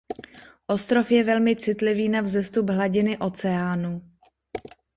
Ostrov je velmi citlivý na vzestup hladiny oceánu.